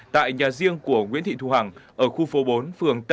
tại nhà riêng của nguyễn thị thu hằng ở khu phố biên hòa